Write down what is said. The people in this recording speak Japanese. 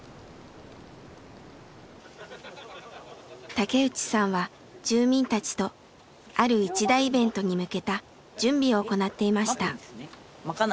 竹内さんは住民たちとある一大イベントに向けた準備を行っていました。